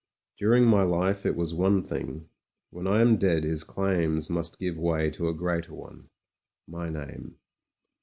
During my life it was one thing; when I am dead his claims must give way to a greater one — my name.